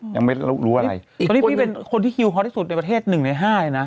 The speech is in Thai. ตอนนี้พี่เป็นคนที่ฮิวฮอตที่สุดในประเทศ๑ใน๕เลยนะ